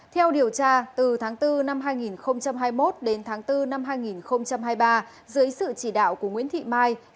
theo điều tra từ tháng bốn năm hai nghìn hai mươi một đến tháng bốn năm hai nghìn hai mươi ba dưới sự chỉ đạo của nguyễn thị mai